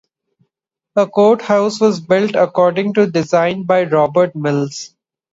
A courthouse was built according to a design by Robert Mills.